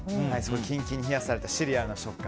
キンキンに冷やされたシリアルの食感